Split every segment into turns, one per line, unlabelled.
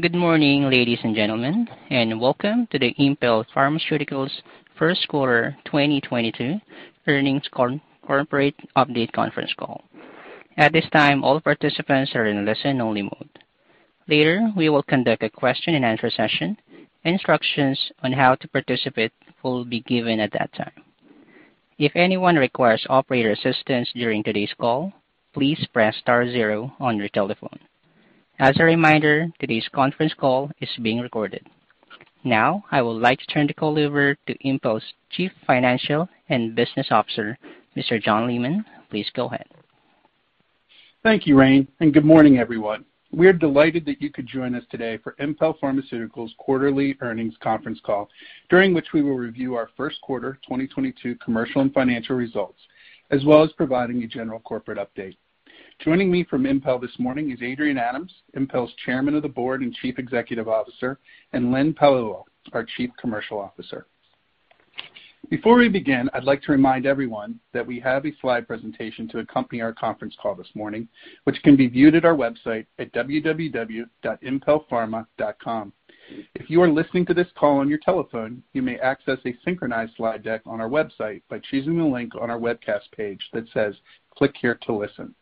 Good morning, ladies and gentlemen, and welcome to the Impel Pharmaceuticals First Quarter 2022 Earnings Corporate Update Conference Call. At this time, all participants are in listen only mode. Later, we will conduct a question and answer session. Instructions on how to participate will be given at that time. If anyone requires operator assistance during today's call, please press star zero on your telephone. As a reminder, today's conference call is being recorded. Now, I would like to turn the call over to Impel's Chief Financial and Business Officer, Mr. John Leaman. Please go ahead.
Thank you, Rain, and good morning, everyone. We're delighted that you could join us today for Impel Pharmaceuticals quarterly earnings conference call, during which we will review our first quarter 2022 commercial and financial results, as well as providing a general corporate update. Joining me from Impel this morning is Adrian Adams, Impel's Chairman of the Board and Chief Executive Officer, and Len Paolillo, our Chief Commercial Officer. Before we begin, I'd like to remind everyone that we have a slide presentation to accompany our conference call this morning, which can be viewed at our website at www.impelpharma.com. If you are listening to this call on your telephone, you may access a synchronized slide deck on our website by choosing the link on our webcast page that says, "Click here to listen."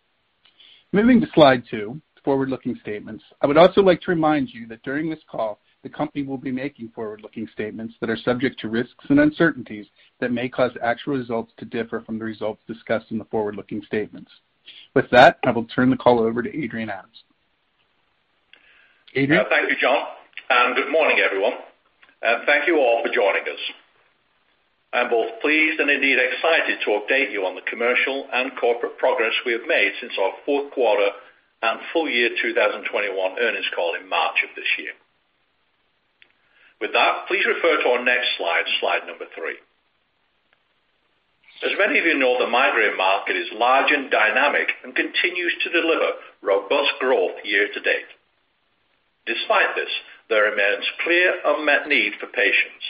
Moving to slide two, forward-looking statements. I would also like to remind you that during this call, the company will be making forward-looking statements that are subject to risks and uncertainties that may cause actual results to differ from the results discussed in the forward-looking statements. With that, I will turn the call over to Adrian Adams. Adrian?
Thank you, John, and good morning, everyone. Thank you all for joining us. I'm both pleased and indeed excited to update you on the commercial and corporate progress we have made since our fourth quarter and full year 2021 earnings call in March of this year. With that, please refer to our next slide number three. As many of you know, the migraine market is large and dynamic and continues to deliver robust growth year to date. Despite this, there remains clear unmet need for patients,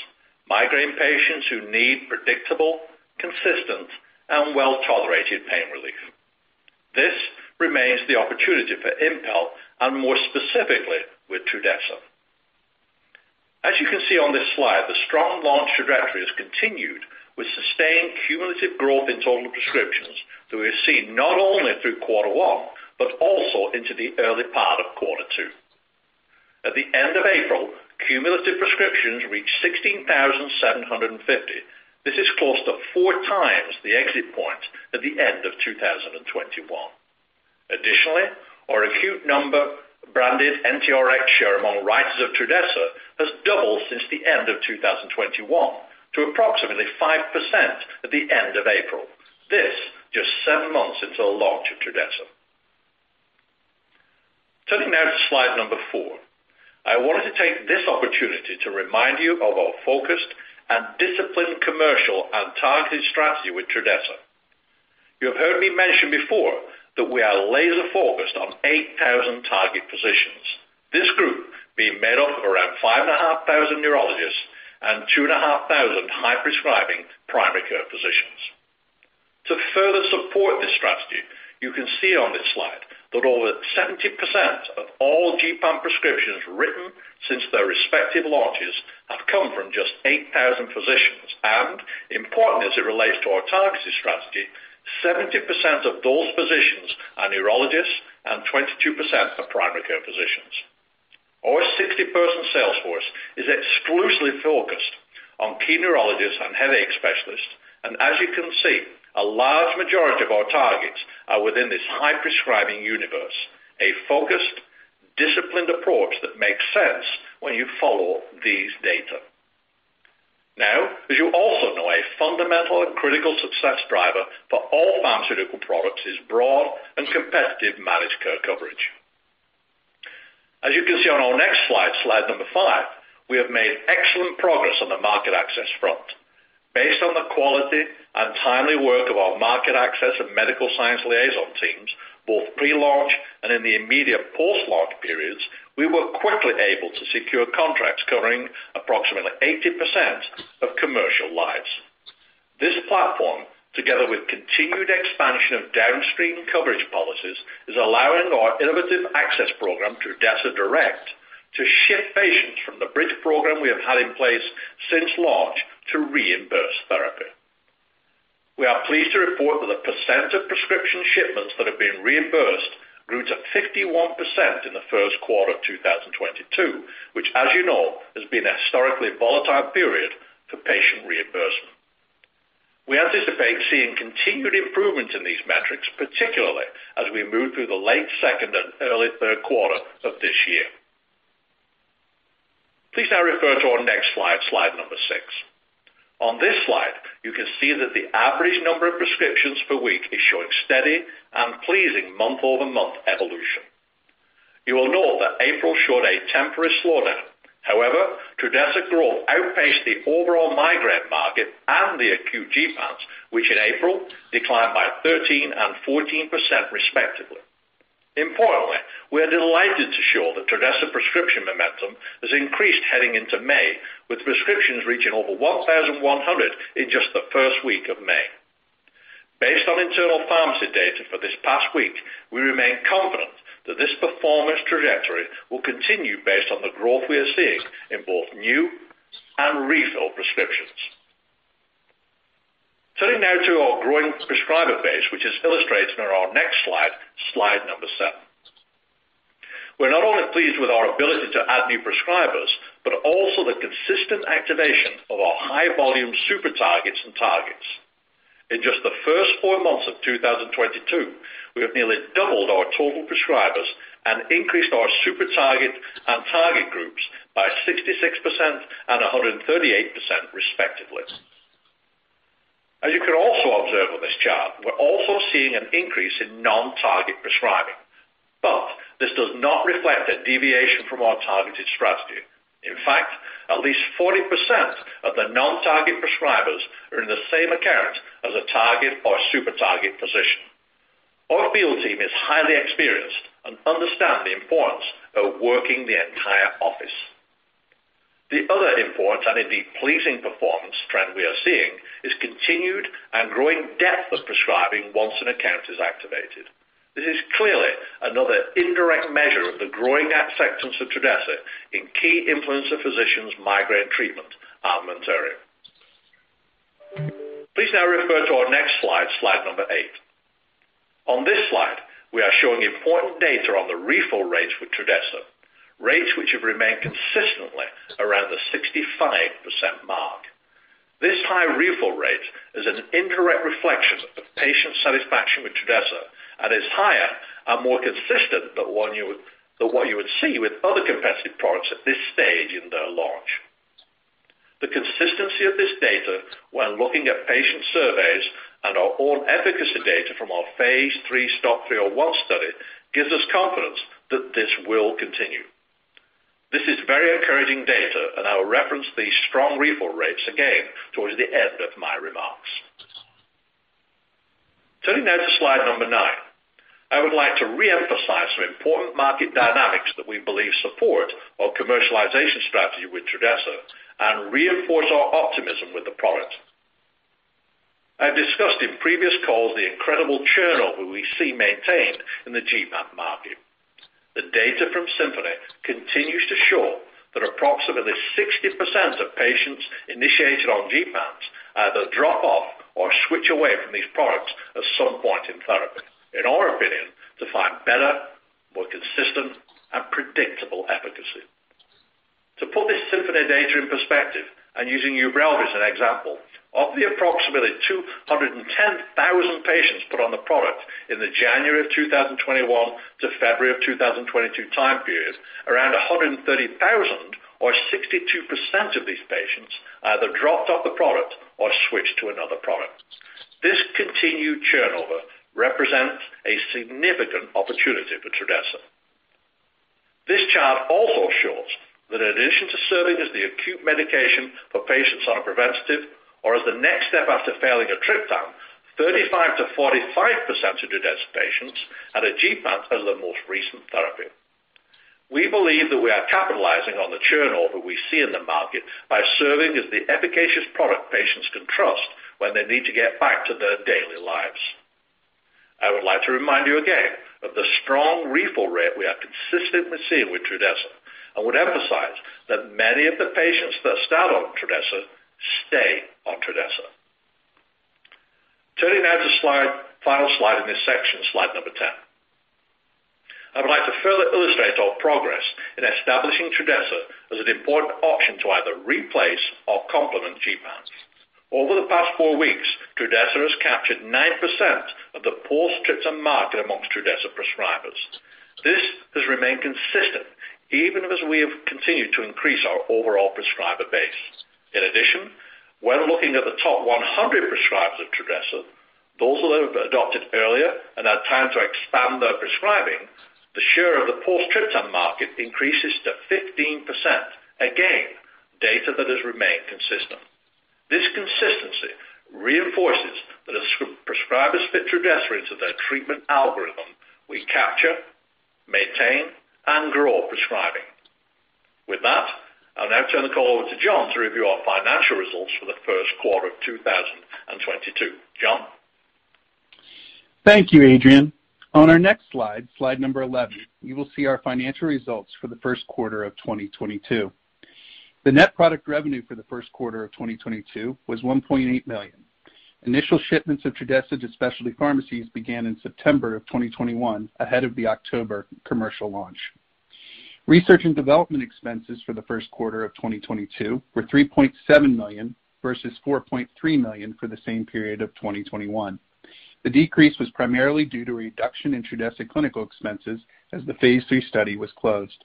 migraine patients who need predictable, consistent, and well-tolerated pain relief. This remains the opportunity for Impel and more specifically with Trudhesa. As you can see on this slide, the strong launch trajectory has continued with sustained cumulative growth in total prescriptions that we've seen not only through quarter one, but also into the early part of quarter two. At the end of April, cumulative prescriptions reached 16,750. This is close to four times the exit point at the end of 2021. Additionally, our acute number branded NTRx share among writers of Trudhesa has doubled since the end of 2021 to approximately 5% at the end of April. This just 7 months into the launch of Trudhesa. Turning now to slide number four. I wanted to take this opportunity to remind you of our focused and disciplined commercial and targeted strategy with Trudhesa. You have heard me mention before that we are laser focused on 8,000 target positions. This group being made up of around 5,500 neurologists and 2,500 high prescribing primary care physicians. To further support this strategy, you can see on this slide that over 70% of all gepan prescriptions written since their respective launches have come from just 8,000 physicians and importantly, as it relates to our targeted strategy, 70% of those physicians are neurologists and 22% are primary care physicians. Our 60% sales force is exclusively focused on key neurologists and headache specialists. As you can see, a large majority of our targets are within this high prescribing universe, a focused, disciplined approach that makes sense when you follow these data. Now, as you also know, a fundamental and critical success driver for all pharmaceutical products is broad and competitive managed care coverage. As you can see on our next slide number five, we have made excellent progress on the market access front. Based on the quality and timely work of our market access and medical science liaison teams, both pre-launch and in the immediate post-launch periods, we were quickly able to secure contracts covering approximately 80% of commercial lives. This platform, together with continued expansion of downstream coverage policies, is allowing our innovative access program, Trudhesa Direct, to shift patients from the bridge program we have had in place since launch to reimbursed therapy. We are pleased to report that the percent of prescription shipments that have been reimbursed grew to 51% in the first quarter of 2022, which as you know, has been a historically volatile period for patient reimbursement. We anticipate seeing continued improvement in these metrics, particularly as we move through the late second and early third quarter of this year. Please now refer to our next slide six. On this slide, you can see that the average number of prescriptions per week is showing steady and pleasing month-over-month evolution. You will know that April showed a temporary slowdown. However, Trudhesa growth outpaced the overall migraine market and the acute CGRPs, which in April declined by 13% and 14% respectively. Importantly, we are delighted to show that Trudhesa prescription momentum has increased heading into May, with prescriptions reaching over 1,100 in just the first week of May. Based on internal pharmacy data for this past week, we remain confident that this performance trajectory will continue based on the growth we are seeing in both new and refill prescriptions. Turning now to our growing prescriber base, which is illustrated on our next slide number seven. We're not only pleased with our ability to add new prescribers, but also the consistent activation of our high volume super targets and targets. In just the first four months of 2022, we have nearly doubled our total prescribers and increased our super target and target groups by 66% and 138% respectively. As you can also observe on this chart, we're also seeing an increase in non-target prescribing. This does not reflect a deviation from our targeted strategy. In fact, at least 40% of the non-target prescribers are in the same account as a target or super target physician. Our field team is highly experienced and understand the importance of working the entire office. The other important, and indeed pleasing performance trend we are seeing, is continued and growing depth of prescribing once an account is activated. This is clearly another indirect measure of the growing acceptance of Trudhesa in key influencer physicians' migraine treatment armamentarium. Please now refer to our next slide eight. On this slide, we are showing important data on the refill rates with Trudhesa, rates which have remained consistently around the 65% mark. This high refill rate is an indirect reflection of patient satisfaction with Trudhesa and is higher and more consistent than what you would see with other competitive products at this stage in their launch. The consistency of this data when looking at patient surveys and our own efficacy data from our phase III STOP 301 study gives us confidence that this will continue. This is very encouraging data, and I will reference these strong refill rates again towards the end of my remarks. Turning now to slide nine. I would like to reemphasize some important market dynamics that we believe support our commercialization strategy with Trudhesa and reinforce our optimism with the product. I've discussed in previous calls the incredible turnover we see maintained in the CGRP market. The data from Symphony continues to show that approximately 60% of patients initiated on CGRPs either drop off or switch away from these products at some point in therapy, in our opinion, to find better, more consistent, and predictable efficacy. To put this Symphony data in perspective, and using Ubrelvy as an example, of the approximately 210,000 patients put on the product in the January of 2021 to February of 2022 time period, around 130,000 or 62% of these patients either dropped off the product or switched to another product. This continued turnover represents a significant opportunity for Trudhesa. This chart also shows that in addition to serving as the acute medication for patients on a preventative or as the next step after failing a triptan, 35%-45% of Trudhesa patients add a CGRP as their most recent therapy. We believe that we are capitalizing on the turnover we see in the market by serving as the efficacious product patients can trust when they need to get back to their daily lives. I would like to remind you again of the strong refill rate we have consistently seen with Trudhesa, and would emphasize that many of the patients that start on Trudhesa stay on Trudhesa. Turning now to final slide in this section, slide number 10. I would like to further illustrate our progress in establishing Trudhesa as an important option to either replace or complement GMAPs. Over the past four weeks, Trudhesa has captured 9% of the post-triptan market among Trudhesa prescribers. This has remained consistent even as we have continued to increase our overall prescriber base. In addition, when looking at the top 100 prescribers of Trudhesa, those that have adopted earlier and had time to expand their prescribing, the share of the post-triptan market increases to 15%. Again, data that has remained consistent. This consistency reinforces that as prescribers fit Trudhesa into their treatment algorithm, we capture, maintain, and grow prescribing. With that, I'll now turn the call over to John to review our financial results for the first quarter of 2022. John?
Thank you, Adrian. On our next slide 11, you will see our financial results for the first quarter of 2022. The net product revenue for the first quarter of 2022 was $1.8 million. Initial shipments of Trudhesa to specialty pharmacies began in September 2021 ahead of the October commercial launch. Research and development expenses for the first quarter of 2022 were $3.7 million versus $4.3 million for the same period of 2021. The decrease was primarily due to reduction in Trudhesa clinical expenses as the phase III study was closed.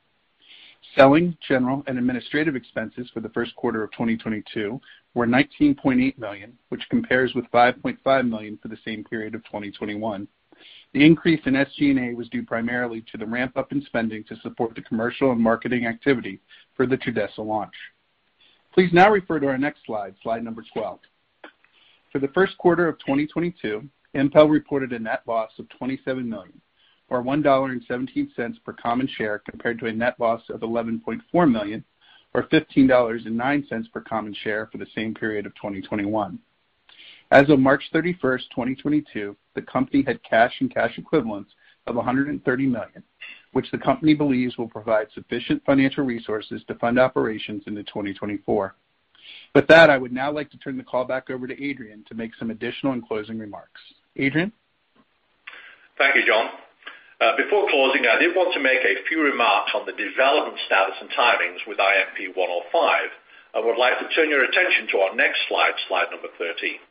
Selling, general, and administrative expenses for the first quarter of 2022 were $19.8 million, which compares with $5.5 million for the same period of 2021. The increase in SG&A was due primarily to the ramp-up in spending to support the commercial and marketing activity for the Trudhesa launch. Please now refer to our next slide 12. For the first quarter of 2022, Impel reported a net loss of $27 million or $1.17 per common share compared to a net loss of $11.4 million or $15.09 per common share for the same period of 2021. As of March 31, 2022, the company had cash and cash equivalents of $130 million, which the company believes will provide sufficient financial resources to fund operations into 2024. With that, I would now like to turn the call back over to Adrian to make some additional and closing remarks. Adrian?
Thank you, John. Before closing, I did want to make a few remarks on the development status and timings with INP105. I would like to turn your attention to our next slide slide number 13.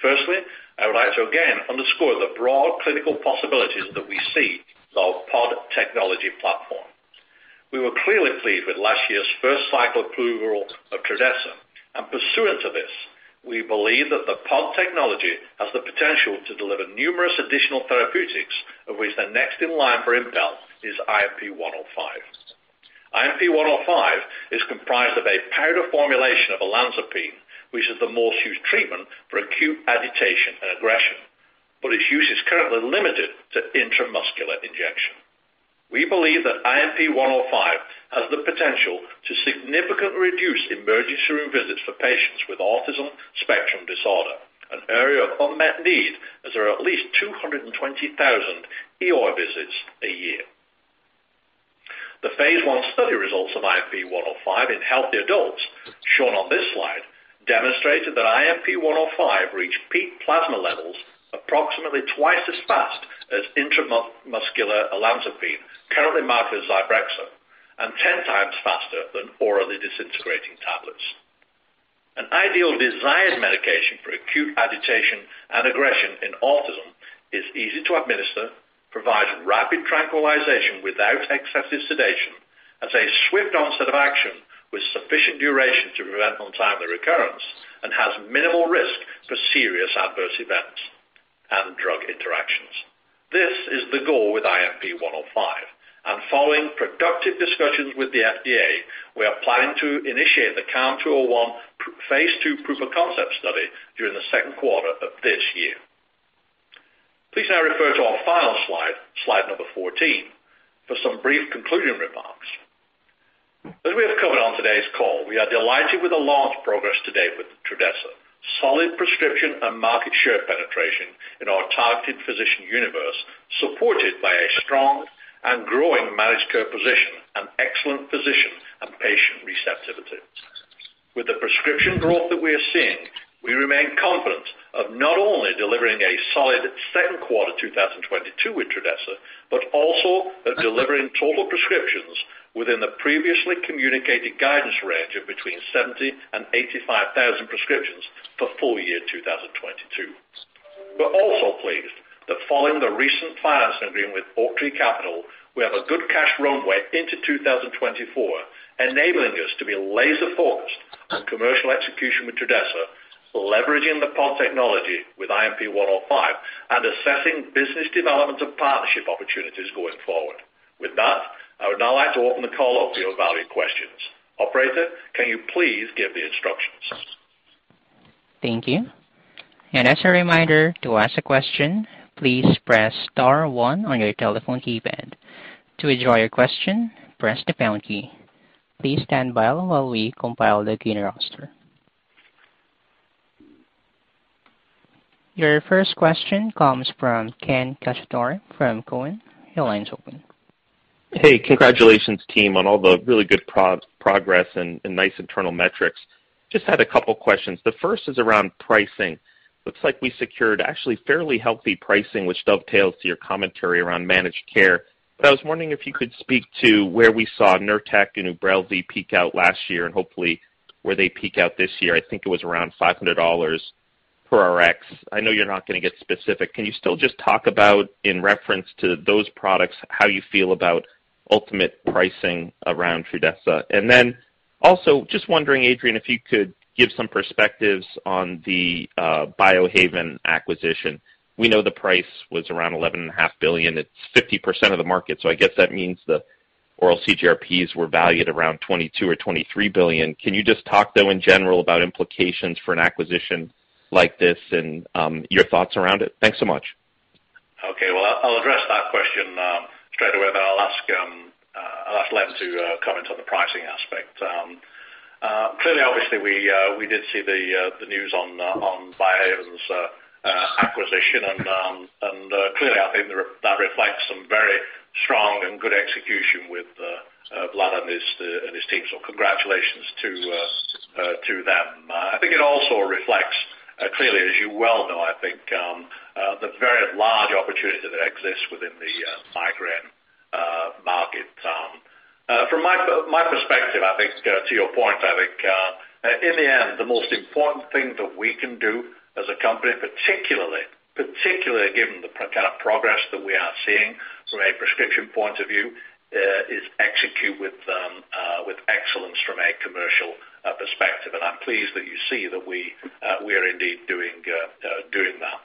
Firstly, I would like to again underscore the broad clinical possibilities that we see with our POD technology platform. We were clearly pleased with last year's first cycle approval of Trudhesa, and pursuant to this, we believe that the POD technology has the potential to deliver numerous additional therapeutics, of which the next in line for Impel is IMP-105. IMP-105 is comprised of a powder formulation of olanzapine, which is the most used treatment for acute agitation and aggression. Its use is currently limited to intramuscular injection. We believe that INP105 has the potential to significantly reduce emergency room visits for patients with autism spectrum disorder, an area of unmet need, as there are at least 220,000 ER visits a year. The phase I study results of INP105 in healthy adults, shown on this slide, demonstrated that INP105 reached peak plasma levels approximately twice as fast as intramuscular olanzapine, currently marketed as Zyprexa, and ten times faster than orally disintegrating tablets. An ideal desired medication for acute agitation and aggression in autism is easy to administer, provides rapid tranquilization without excessive sedation, has a swift onset of action with sufficient duration to prevent untimely recurrence, and has minimal risk for serious adverse events and drug interactions. This is the goal with INP105, following productive discussions with the FDA, we are planning to initiate the CALM 201 phase II proof of concept study during the second quarter of this year. Please now refer to our final slide 14, for some brief concluding remarks. We have covered on today's call, we are delighted with the launch progress to date with Trudhesa. Solid prescription and market share penetration in our targeted physician universe, supported by a strong and growing managed care position and excellent physician and patient receptivity. With the prescription growth that we are seeing, we remain confident of not only delivering a solid second quarter 2022 with Trudhesa, but also of delivering total prescriptions within the previously communicated guidance range of between 70,000 and 85,000 prescriptions for full year 2022. We're also pleased that following the recent financing agreement with Oaktree Capital, we have a good cash runway into 2024, enabling us to be laser-focused on commercial execution with Trudhesa, leveraging the POD technology with INP105, and assessing business development and partnership opportunities going forward. With that, I would now like to open the call up for your valued questions. Operator, can you please give the instructions?
Thank you. As a reminder, to ask a question, please press star one on your telephone keypad. To withdraw your question, press the pound key. Please stand by while we compile the queue roster. Your first question comes from Ken Cacciatore from Cowen. Your line is open.
Hey, congratulations team on all the really good progress and nice internal metrics. Just had a couple questions. The first is around pricing. Looks like we secured actually fairly healthy pricing, which dovetails to your commentary around managed care. I was wondering if you could speak to where we saw Nurtec and Ubrelvy peak out last year and hopefully where they peak out this year. I think it was around $500 per Rx. I know you're not gonna get specific. Can you still just talk about, in reference to those products, how you feel about ultimate pricing around Trudhesa? Also just wondering, Adrian, if you could give some perspectives on the Biohaven acquisition. We know the price was around $11.5 billion. It's 50% of the market, so I guess that means the oral CGRPs were valued around $22 billion or $23 billion. Can you just talk through in general about implications for an acquisition like this and your thoughts around it? Thanks so much.
Okay. Well, I'll address that question straight away, then I'll ask Len to comment on the pricing aspect. Clearly, obviously we did see the news on Biohaven's acquisition, and clearly I think that reflects some very strong and good execution with Vlad and his team. Congratulations to them. I think it also reflects clearly as you well know, I think the very large opportunity that exists within the migraine market. From my perspective, I think, to your point, I think, in the end, the most important thing that we can do as a company, particularly given the kind of progress that we are seeing from a prescription point of view, is execute with excellence from a commercial perspective. I'm pleased that you see that we are indeed doing that.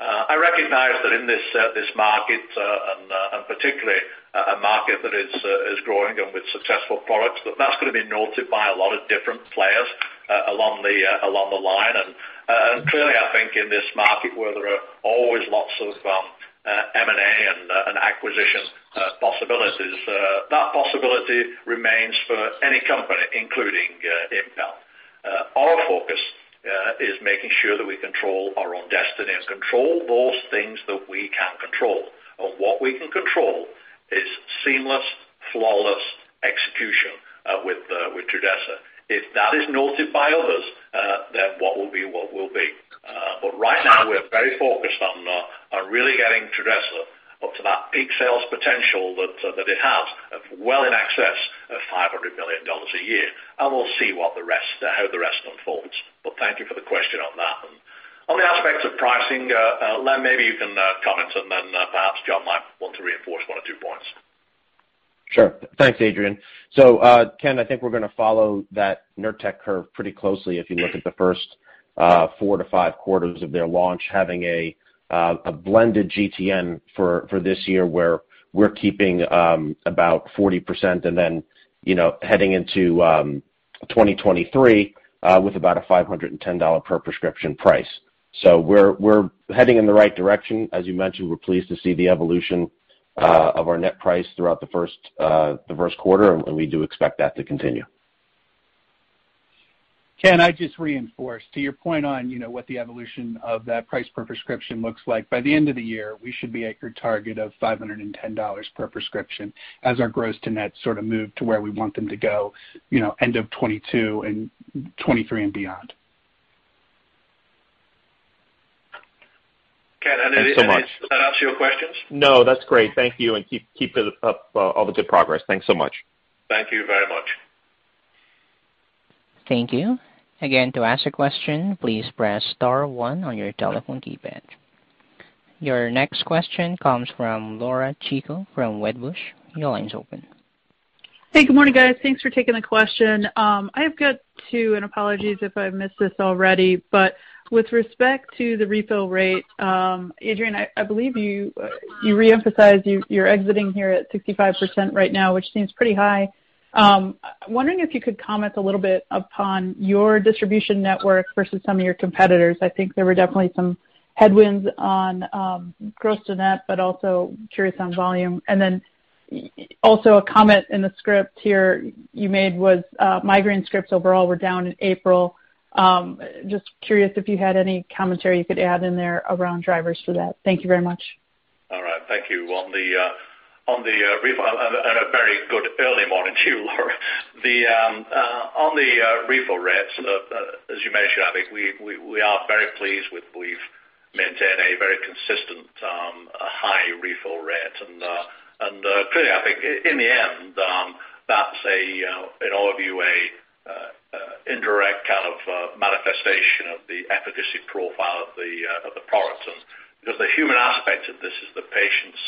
I recognize that in this market, and particularly a market that is growing and with successful products. That's gonna be noted by a lot of different players, along the line. Clearly, I think in this market where there are always lots of M&A and acquisition possibilities, that possibility remains for any company, including Impel. Our focus is making sure that we control our own destiny and control those things that we can control. What we can control is seamless, flawless execution with Trudhesa. If that is noted by others, then what will be what will be. Right now we're very focused on really getting Trudhesa up to that peak sales potential that it has of well in excess of $500 million a year. We'll see what the rest, how the rest unfolds. Thank you for the question on that. On the aspects of pricing, Len, maybe you can comment, and then, perhaps John might want to reinforce one or two points.
Sure. Thanks, Adrian. Ken, I think we're gonna follow that Nurtec curve pretty closely if you look at the first 4-5 quarters of their launch, having a blended GTN for this year, where we're keeping about 40% and then heading into 2023 with about a $510 per prescription price. We're heading in the right direction. As you mentioned, we're pleased to see the evolution of our net price throughout the first quarter, and we do expect that to continue. Ken, I just reinforce to your point on, you know, what the evolution of that price per prescription looks like. By the end of the year, we should be at your target of $510 per prescription as our gross to net sort of move to where we want them to go, you know, end of 2022 and 2023 and beyond.
Ken.
Thanks so much.
Does that answer your questions?
No, that's great. Thank you. Keep it up, all the good progress. Thanks so much.
Thank you very much.
Thank you. Again, to ask a question, please press star one on your telephone keypad. Your next question comes from Laura Chico from Wedbush. Your line's open.
Hey, good morning, guys. Thanks for taking the question. I've got two, and apologies if I've missed this already. With respect to the refill rate, Adrian, I believe you reemphasized you're exiting here at 65% right now, which seems pretty high. Wondering if you could comment a little bit upon your distribution network versus some of your competitors. I think there were definitely some headwinds on gross to net, but also curious on volume. Also, a comment in the script here you made was migraine scripts overall were down in April. Just curious if you had any commentary you could add in there around drivers for that. Thank you very much.
All right. Thank you. A very good early morning to you, Laura. On the refill rates, as you mentioned, I think we are very pleased that we've maintained a very consistent high refill rate. Clearly, I think in the end, that's an indirect kind of manifestation of the efficacy profile of the product. Because the human aspect of this is the patients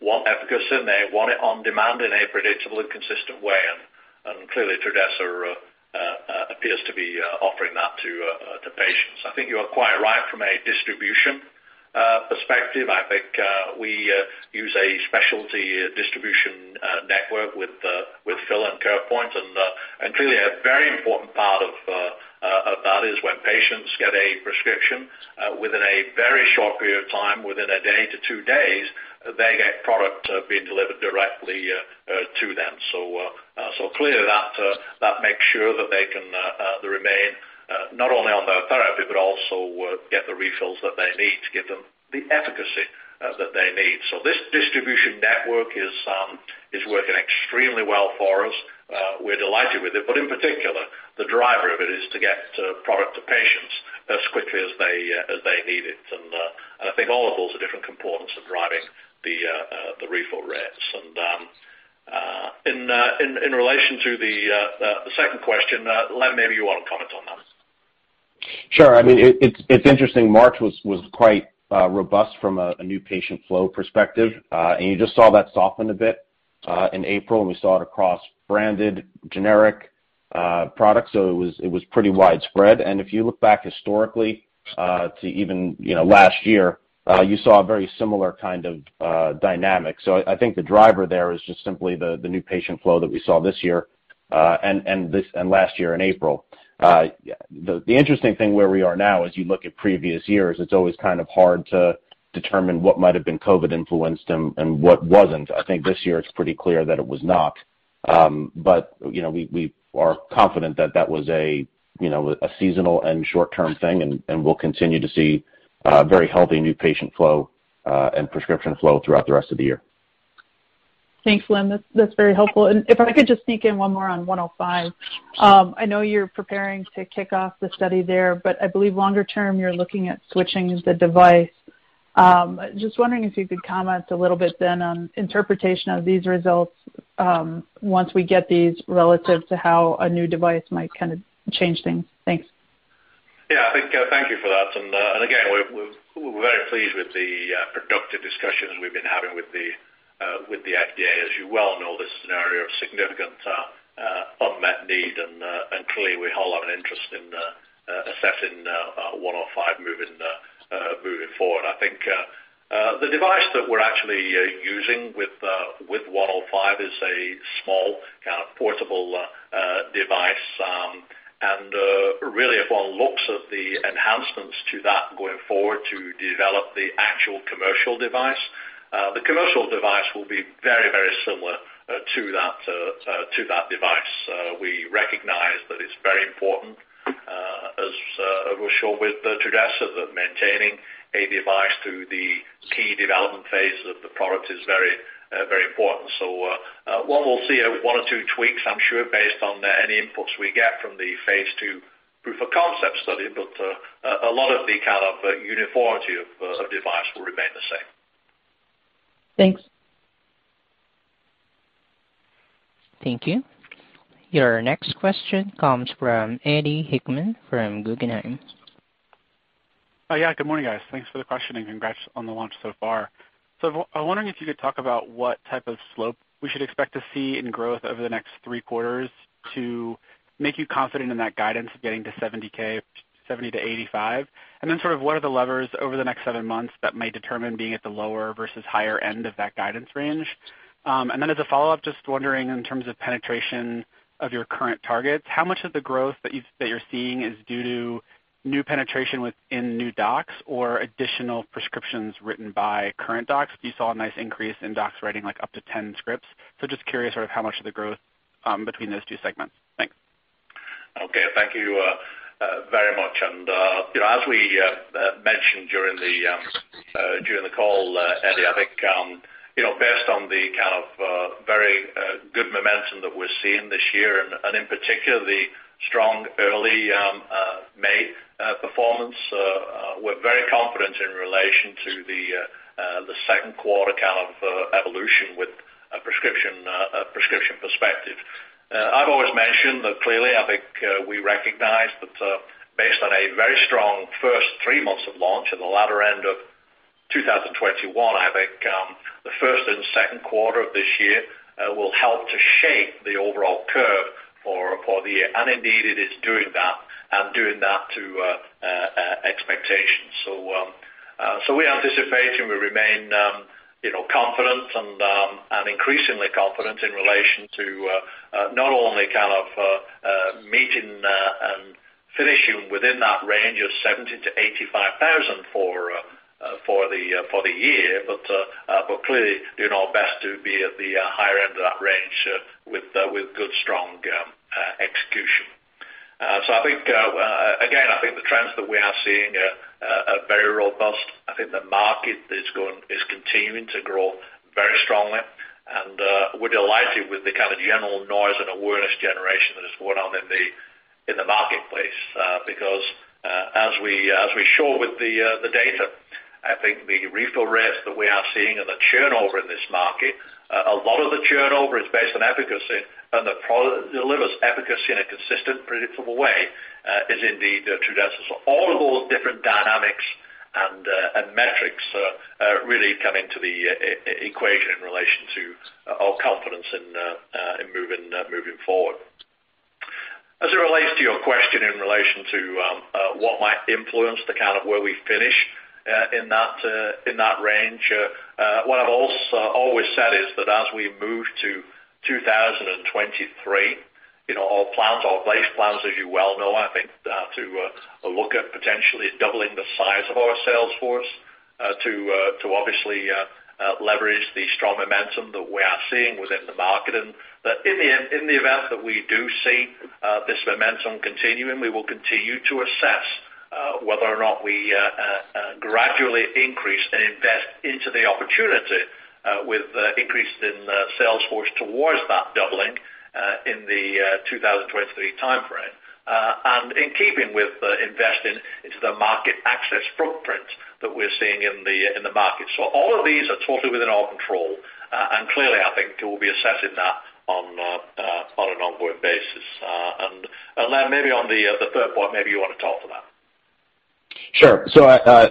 want efficacy, and they want it on demand in a predictable and consistent way. Clearly, Trudhesa appears to be offering that to patients. I think you are quite right from a distribution perspective. I think we use a specialty distribution network with Phil and CarePoint, and clearly a very important part of that is when patients get a prescription within a very short period of time, within a day to two days, they get product being delivered directly to them. Clearly that makes sure that they can remain not only on the therapy but also get the refills that they need to give them the efficacy that they need. This distribution network is working extremely well for us. We're delighted with it, but in particular, the driver of it is to get product to patients as quickly as they need it. I think all of those are different components of driving the refill rates. In relation to the second question, Len, maybe you want to comment on that.
Sure. I mean, it's interesting. March was quite robust from a new patient flow perspective. You just saw that soften a bit in April, and we saw it across branded generic products. It was pretty widespread. If you look back historically to even last year, you saw a very similar kind of dynamic. I think the driver there is just simply the new patient flow that we saw this year and last year in April. The interesting thing where we are now, as you look at previous years, it's always kind of hard to determine what might have been COVID influenced and what wasn't. I think this year it's pretty clear that it was not. You know, we are confident that was a, you know, a seasonal and short-term thing, and we'll continue to see very healthy new patient flow and prescription flow throughout the rest of the year.
Thanks, Len. That's very helpful. If I could just sneak in one more on 105. I know you're preparing to kick off the study there, but I believe longer term, you're looking at switching the device. Just wondering if you could comment a little bit then on interpretation of these results, once we get these relative to how a new device might kind of change things. Thanks.
Yeah. I think, thank you for that. Again, we're very pleased with the productive discussions we've been having with the FDA. As you well know, this is an area of significant unmet need and clearly we hold a lot of interest in assessing 105 moving forward. I think the device that we're actually using with 105 is a small kind of portable device. Really, if one looks at the enhancements to that going forward to develop the actual commercial device, the commercial device will be very similar to that device. We recognize that it's very important, as we're sure with Trudhesa that maintaining a device through the key development phase of the product is very important. We'll see one or two tweaks, I'm sure, based on any inputs we get from the phase two proof of concept study. A lot of the kind of uniformity of device will remain the same.
Thanks.
Thank you. Your next question comes from Eddie Hickman from Guggenheim.
Yeah, good morning, guys. Thanks for the question, and congrats on the launch so far. I'm wondering if you could talk about what type of slope we should expect to see in growth over the next three quarters to make you confident in that guidance of getting to 70K, 70-85. What are the levers over the next seven months that might determine being at the lower versus higher end of that guidance range? As a follow-up, just wondering in terms of penetration of your current targets, how much of the growth that you've... that you're seeing is due to new penetration within new docs or additional prescriptions written by current docs? You saw a nice increase in docs writing, like up to 10 scripts. Just curious sort of how much of the growth between those two segments. Thanks.
Okay. Thank you, very much. You know, as we mentioned during the call, Eddie, I think, you know, based on the kind of very good momentum that we're seeing this year and in particular, the strong early May performance, we're very confident in relation to the second quarter kind of evolution with a prescription perspective. I've always mentioned that clearly, I think, we recognize that, based on a very strong first three months of launch in the latter end of 2021, I think, the first and second quarter of this year will help to shape the overall curve for the year. Indeed, it is doing that to expectations. We anticipate and we remain, you know, confident and increasingly confident in relation to not only kind of meeting finishing within that range of 70-85 thousand for the year, but clearly doing our best to be at the higher end of that range with good, strong execution. I think again, I think the trends that we are seeing are very robust. I think the market is continuing to grow very strongly. We're delighted with the kind of general noise and awareness generation that has gone on in the marketplace, because as we show with the data, I think the refill rates that we are seeing and the churn over in this market, a lot of the churn over is based on efficacy, and the product that delivers efficacy in a consistent, predictable way is indeed Trudhesa. All of those different dynamics and metrics are really coming to the equation in relation to our confidence in moving forward. As it relates to your question in relation to what might influence the kind of where we finish in that range, what I've always said is that as we move to 2023, you know, our plans, our base plans as you well know, I think, to look at potentially doubling the size of our sales force to obviously leverage the strong momentum that we are seeing within the market. That in the event that we do see this momentum continuing, we will continue to assess whether or not we gradually increase and invest into the opportunity with increase in sales force towards that doubling in the 2023 timeframe. In keeping with investing into the market access footprint that we're seeing in the market. All of these are totally within our control. Clearly, I think we'll be assessing that on an ongoing basis. Then maybe on the third point, maybe you wanna talk to that.
Sure. Yeah,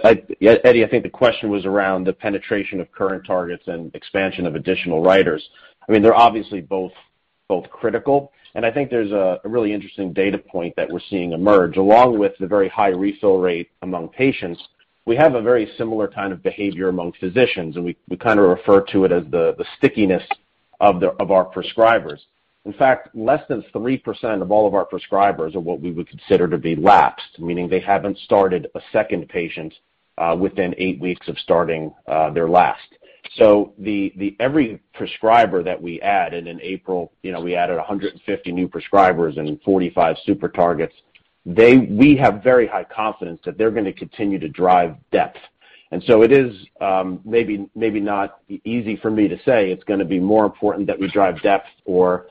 Eddie, I think the question was around the penetration of current targets and expansion of additional writers. I mean, they're obviously both critical, and I think there's a really interesting data point that we're seeing emerge. Along with the very high refill rate among patients, we have a very similar kind of behavior among physicians, and we kinda refer to it as the stickiness of our prescribers. In fact, less than 3% of all of our prescribers are what we would consider to be lapsed, meaning they haven't started a second patient within eight weeks of starting their last. Every prescriber that we add, and in April, you know, we added 150 new prescribers and 45 super targets, we have very high confidence that they're gonna continue to drive depth. It is maybe not easy for me to say it's gonna be more important that we drive depth or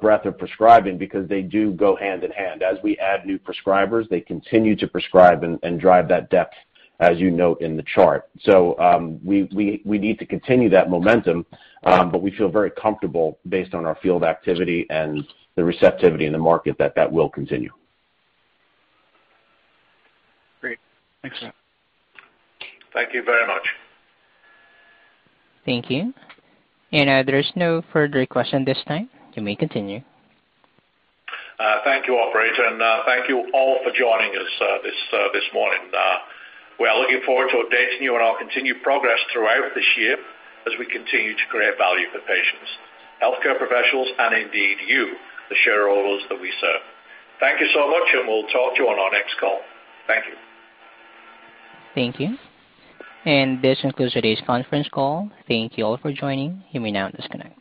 breadth of prescribing because they do go hand in hand. As we add new prescribers, they continue to prescribe and drive that depth as you note in the chart. We need to continue that momentum, but we feel very comfortable based on our field activity and the receptivity in the market that that will continue.
Great. Thanks.
Thank you very much.
Thank you. There is no further question this time. You may continue.
Thank you, operator, and thank you all for joining us this morning. We are looking forward to updating you on our continued progress throughout this year as we continue to create value for patients, healthcare professionals, and indeed you, the shareholders that we serve. Thank you so much, and we'll talk to you on our next call. Thank you.
Thank you. This concludes today's conference call. Thank you all for joining. You may now disconnect.